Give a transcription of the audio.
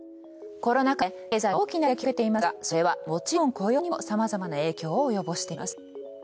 コロナ禍で経済は大きな打撃を受けていますがそれはもちろん雇用にもさまざまな影響を及ぼしています。